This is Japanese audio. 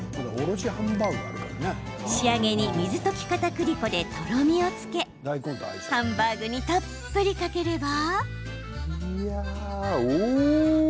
仕上げに水溶きかたくり粉でとろみをつけハンバーグにたっぷりかければ。